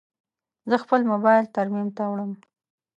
زه خپل موبایل ترمیم ته وړم.